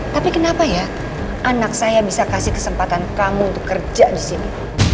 tapi kenapa ya anak saya bisa kasih kesempatan kamu untuk kerja di sini